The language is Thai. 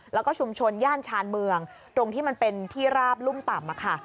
แล้วก็ชุมชนย่านชานเมืองตรงที่มันเป็นที่ราบรุ่มต่ำ